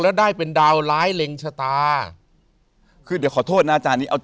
แล้วได้เป็นดาวร้ายเล็งชะตาคือเดี๋ยวขอโทษนะอาจารย์นี้เอา